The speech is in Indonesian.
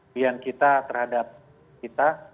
biar kita terhadap kita